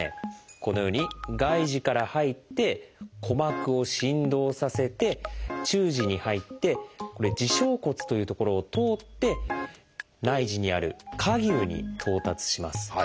このように外耳から入って鼓膜を振動させて中耳に入って「耳小骨」という所を通って内耳にある「蝸牛」に到達します。